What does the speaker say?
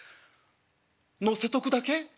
乗せとくだけ？」。